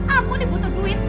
aku ini butuh duit